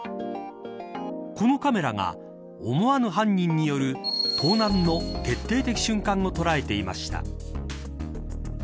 このカメラが思わぬ犯人による盗難の決定的瞬間を捉えていました。